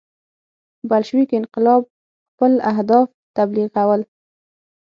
بلشویک انقلاب خپل اهداف تبلیغول.